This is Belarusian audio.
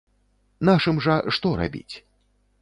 Нашым жа што рабіць?